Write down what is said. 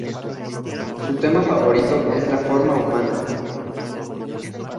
Su tema favorito es la forma humana.